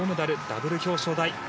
ダブル表彰台。